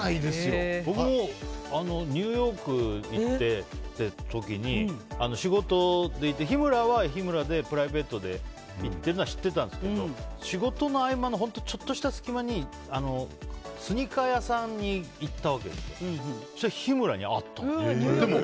僕も、ニューヨークに行った時仕事に行って、日村は日村でプライベートで行っていたのは知ってたんですけど仕事の合間のちょっとした隙間にスニーカー屋さんに行ったら日村に会った。